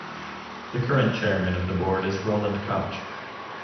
The current chairman of the board is Roland Koch.